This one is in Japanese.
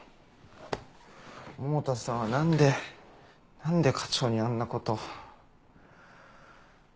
百田さんは何で何で課長にあんなこと。